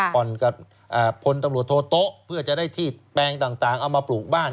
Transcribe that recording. ผ่อนกับพลตำรวจโทโต๊ะเพื่อจะได้ที่แปลงต่างเอามาปลูกบ้าน